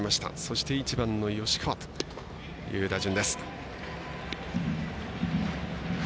そして、１番の吉川という打順。